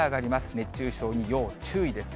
熱中症に要注意です。